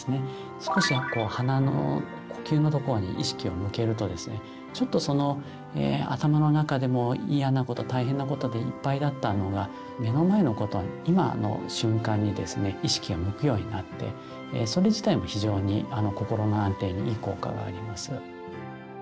少し鼻の呼吸のところに意識を向けるとですねちょっと頭の中でも嫌なこと大変なことでいっぱいだったのが目の前のこと今の瞬間にですね意識が向くようになってそれ自体も非常に心の安定にいい効果があります。